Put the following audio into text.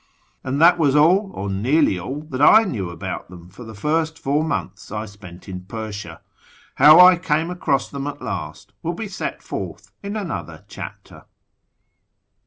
And that was all — or nearly all — that I knew about them for the first four months I spent in Persia. How I came across them at last will be set forth in another chapter.